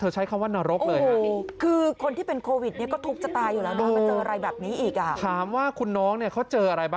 ใช้คำว่านรกเลยหรือครับ